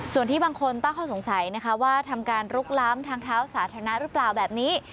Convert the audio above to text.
ส่วนที่บางคนตั้งข้อสงสัยนะคะว่าทำการลุกล้ำทางเท้าสาธารณะหรือเปล่าแบบนี้